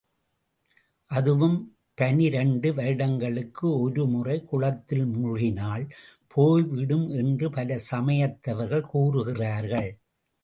அதுவும் பனிரண்டு வருடங்களுக்கு ஒருமுறை, குளத்தில் மூழ்கினால் போய் விடும் என்று பல சமயத்தவர்கள் கூறுகிறார்கள்.